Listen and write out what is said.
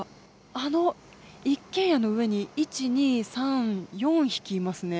あの一軒家の上に、１、２、３、４匹いますね。